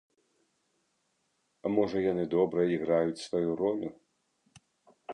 Можа, яны добра іграюць сваю ролю.